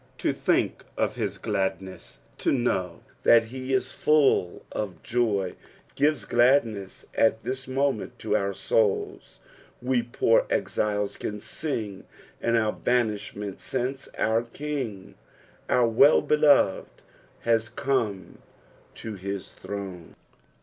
To think of his gladness, to know that he is full of joy, gives gladness at this moment to out souls. We poor exiles can sing in our banish ment since our King, our Wellbeloved, has come to his throne.